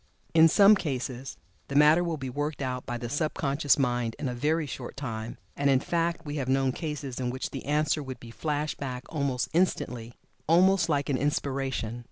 In some cases the matter will be worked out by the sub conscious mind in a very short time, and in fact we have known cases in which the answer would be flashed back almost instantly, almost like an inspiration.